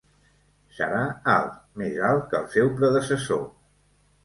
Serà alt, més alt que el seu predecessor.